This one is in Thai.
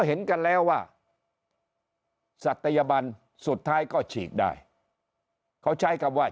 เห็นกันแล้วว่าศัตยบันสุดท้ายก็ฉีกได้เขาใช้คำว่า